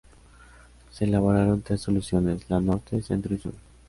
Se elaboraron tres soluciones: la Norte, Centro y Sur.